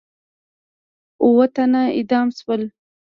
اووه تنه اعدام شول.